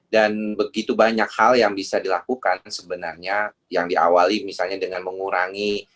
dan begitu banyak hal yang bisa dilakukan sebenarnya yang diawali misalnya dengan mengurangi